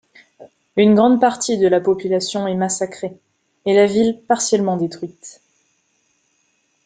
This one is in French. Une grande partie de la population est massacrée et la ville partiellement détruite.